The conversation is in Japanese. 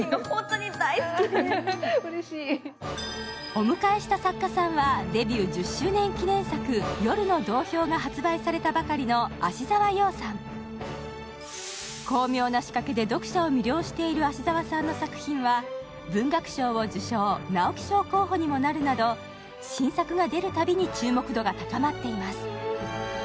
お迎えした作家さんは、デビュー１０周年記念作、「夜の道標」が発売されたばかりの芦沢央さん。巧妙な仕掛けで読者を魅了している芦沢さんの作品は、文学賞を受賞、直木賞候補にもなるなど、新作が出るたびに注目度が高まっています。